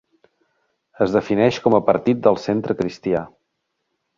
Es defineix com a partit del Centre cristià.